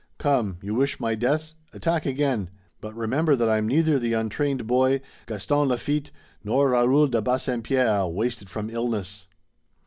Come, you wish my death, attack again, but remember that I'm neither the untrained boy, Gaston Lafitte, nor Raoul de Bassempierre, wasted from illness."